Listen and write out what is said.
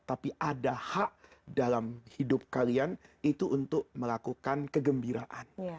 tapi ada hak dalam hidup kalian itu untuk melakukan kegembiraan